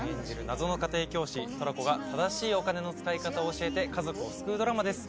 謎の家庭教師寅子が正しいお金の使い方を教えて家族を救うドラマです。